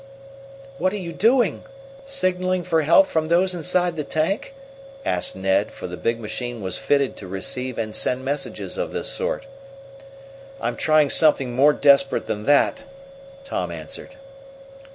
"What are you doing? Signaling for help from those inside the tank?" asked Ned, for the big machine was fitted to receive and send messages of this sort. "I'm trying something more desperate than that," Tom answered.